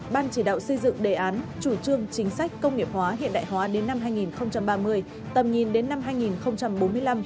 ban chỉ đạo xây dựng đề án chủ trương chính sách công nghiệp hóa hiện đại hóa đến năm hai nghìn ba mươi tầm nhìn đến năm hai nghìn bốn mươi năm